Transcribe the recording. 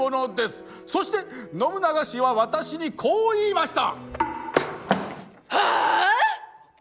そして信長氏は私にこう言いました。